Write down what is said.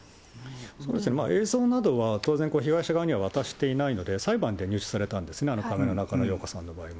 そうですね、映像などは当然、被害者側には渡していないので、裁判で入手されたんですね、あの中野容子さんの場合は。